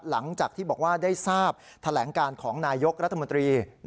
หลังจากที่บอกว่าได้ทราบแถลงการของนายกรัฐมนตรี